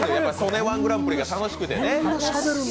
「曽根−１グランプリ」が楽しくてね。